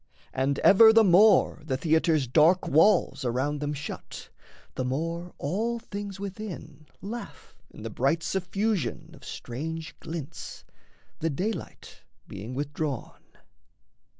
And ever the more the theatre's dark walls Around them shut, the more all things within Laugh in the bright suffusion of strange glints, The daylight being withdrawn.